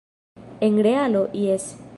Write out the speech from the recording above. En realo, jes.